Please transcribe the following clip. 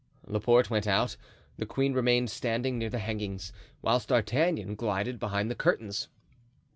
Laporte went out; the queen remained standing near the hangings, whilst D'Artagnan glided behind the curtains.